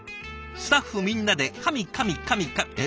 スタッフみんなでカミカミカミ」。